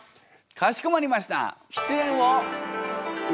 かしこまりました！